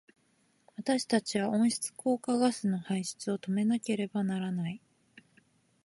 私たちは温室効果ガスの排出を止めなければならない。